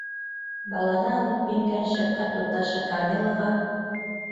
Баланы алып ингән шәфҡәт туташы Камиллаға: